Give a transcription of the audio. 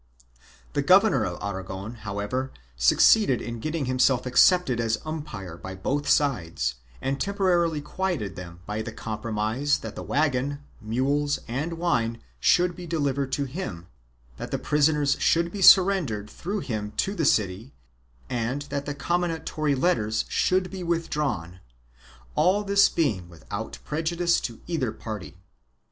The Governor of Aragon, however succeeded in getting himself accepted as umpire by both sides and temporarily quieted them by the compromise that the wagon, mules and wine should be delivered to him, that the prisoners should be surrendered through him to the city and that the comminatory letters should be withdrawn, all this being without prejudice to either party.